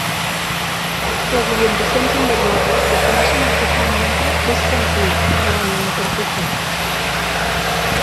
Les orientacions invariables defineixen el que s'anomena "eix senzill" de la nanopartícula.